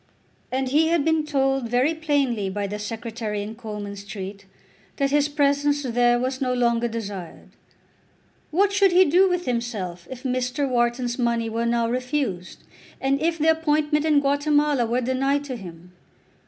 And he had been told very plainly by the Secretary in Coleman Street that his presence there was no longer desired. What should he do with himself if Mr. Wharton's money were now refused, and if the appointment in Guatemala were denied to him?